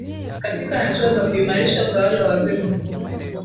katika hatua za kuimarisha utawala wa waziri mkuu